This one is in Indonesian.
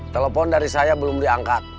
telepon dari saya belum diangkat